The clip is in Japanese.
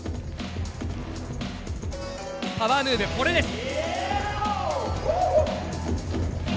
パワームーブこれです。